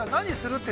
って